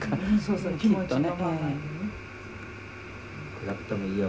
暗くてもいいよ。